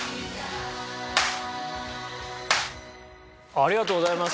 ありがとうございます。